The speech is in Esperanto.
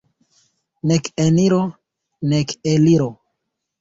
Nek eniro, nek eliro.